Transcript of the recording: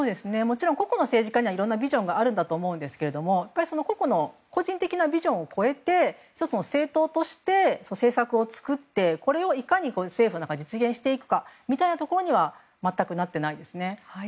もちろん個々の政治家にはいろんなビジョンがあると思いますが個人的なビジョンを超えて１つの政党として政策を作っていかに政府で実現していくかということになっていないです。